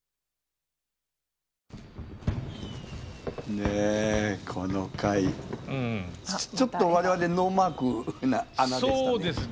ねえこの回ちょっと我々ノーマークな穴でしたね。